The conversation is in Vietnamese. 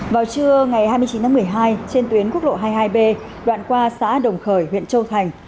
vào trưa ngày hai mươi chín tháng một mươi hai trên tuyến quốc lộ hai mươi hai b đoạn qua xã đồng khởi huyện châu thành